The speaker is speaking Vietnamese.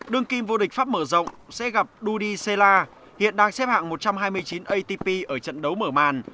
đương kim vô địch pháp mở rộng sẽ gặp dudy sela hiện đang xếp hạng một trăm hai mươi chín atp ở trận đấu mở màn